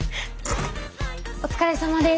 お疲れさまです。